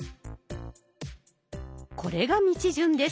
これが道順です。